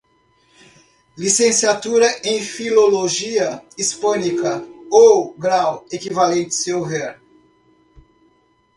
Licenciatura em Filologia Hispânica, ou grau equivalente, se houver.